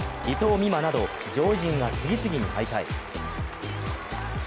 美誠など上位陣が次々に敗退。